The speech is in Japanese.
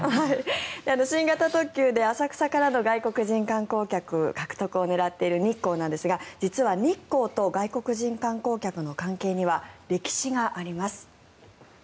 新型特急で浅草からの外国人観光客の獲得を狙っている日光ですが実は日光と外国人観光客の関係には歴史があります。